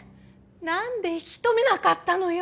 なんで引き留めなかったのよ！